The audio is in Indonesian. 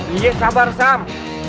iya sabar sam